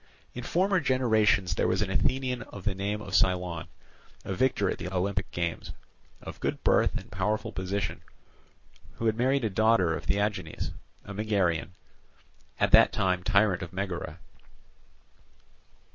In former generations there was an Athenian of the name of Cylon, a victor at the Olympic games, of good birth and powerful position, who had married a daughter of Theagenes, a Megarian, at that time tyrant of Megara.